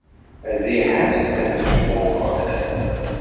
Rriḥa-s ad teɛǧeb i Umeɣlal.